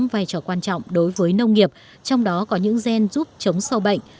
vai trò quan trọng đối với nông nghiệp trong đó có những gen giúp chống sâu bệnh